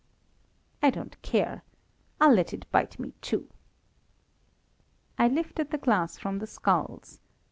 I don't care. I'll let it bite me too. I lifted the glass from the skulls.